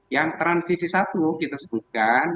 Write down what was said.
yang transisi satu kita sebutkan